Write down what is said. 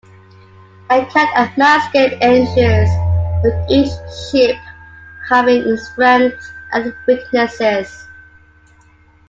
A cat-and-mouse game ensues, with each ship having its strengths and weaknesses.